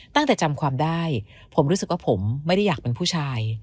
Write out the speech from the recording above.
จำความได้ผมรู้สึกว่าผมไม่ได้อยากเป็นผู้ชาย